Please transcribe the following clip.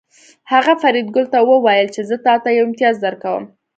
هغه فریدګل ته وویل چې زه تاته یو امتیاز درکوم